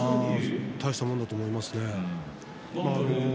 大したものだと思いますね。